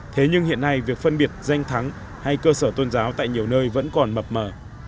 thế nhưng hiện nay việc phân biệt danh thắng hay cơ sở tôn giáo tại nhiều nơi vẫn còn mập mở